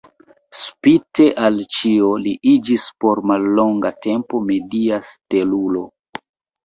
Spite al ĉio, li iĝis por mallonga tempo media stelulo.